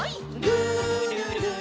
「るるる」